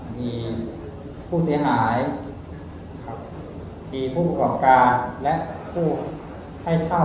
มีผู้เสียหายมีผู้ปกป้องการและผู้ให้เช่า